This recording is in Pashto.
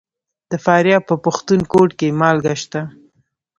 د فاریاب په پښتون کوټ کې مالګه شته.